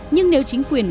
nhưng nếu chính quyền